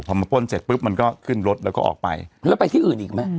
พอมาป้นเสร็จปุ๊บมันก็ขึ้นรถแล้วก็ออกไปแล้วไปที่อื่นอีกไหม